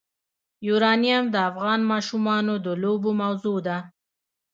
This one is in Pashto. یورانیم د افغان ماشومانو د لوبو موضوع ده.